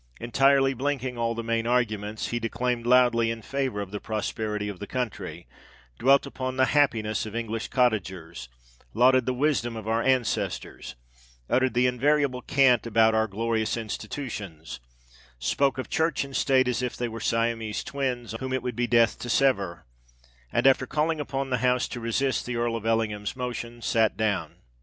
Entirely blinking all the main arguments, he declaimed loudly in favour of the prosperity of the country—dwelt upon the happiness of English cottagers—lauded the "wisdom of our ancestors"—uttered the invariable cant about our "glorious institutions"—spoke of Church and State as if they were Siamese twins whom it would be death to sever—and, after calling upon the House to resist the Earl of Ellingham's motion, sate down.